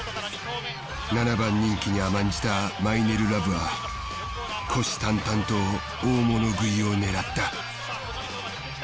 ７番人気に甘んじたマイネルラヴは虎視たんたんと大物食いを狙った。